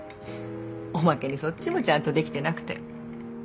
おまけにそっちもちゃんとできてなくて。